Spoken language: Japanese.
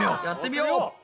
やってみよう！